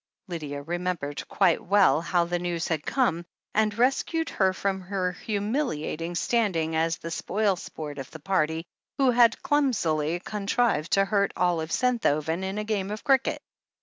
Lydia remembered quite well how the news had come, and rescued her from her humiliating standing as the spoil sport of the party, who had clumsily con trived to hurt Olive Senthoven in a game of cricket.